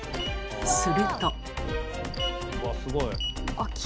すると。